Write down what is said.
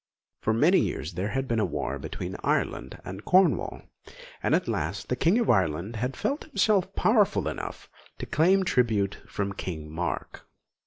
For many years there had been war between Ireland and Cornwall, and at last the King of Ireland had felt himself powerful enough to claim tribute from King Mark.